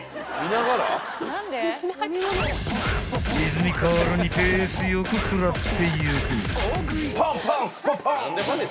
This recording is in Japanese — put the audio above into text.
［リズミカルにペースよく食らっていく］